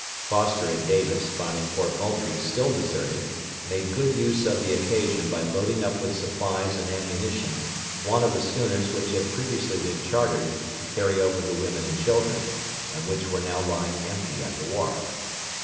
Foster and Davis, finding Fort Moultrie still deserted, made good use of the occasion by loading up with supplies and ammunition one of the schooners which had been previously chartered to carry over the women and children, and which were now lying empty at the wharf.